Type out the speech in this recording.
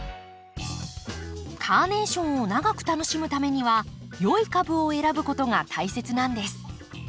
カーネーションを長く楽しむためには良い株を選ぶことが大切なんです。